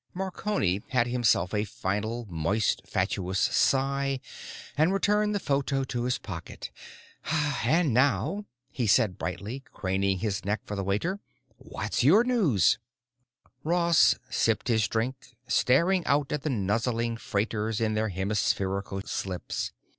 Marconi had himself a final moist, fatuous sigh and returned the photo to his pocket. "And now," he asked brightly, craning his neck for the waiter, "what's your news?" Ross sipped his drink, staring out at the nuzzling freighters in their hemispherical slips.